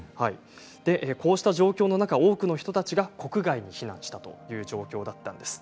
こうした状況の中で多くの人たちが国外に避難したという状況だったんです。